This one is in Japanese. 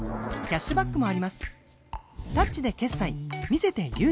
キャッシュバックもあります